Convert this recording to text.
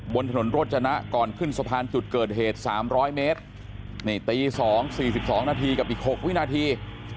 บนถนนรถจนะก่อนขึ้นสะพานจุดเกิดเหตุสามร้อยเมตรนี่ตีสองสี่สิบสองนาทีกับอีกหกวินาที